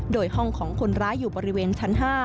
โดยห้องของคนร้ายอยู่บริเวณชั้น๕